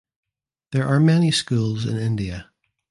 There are many schools in India.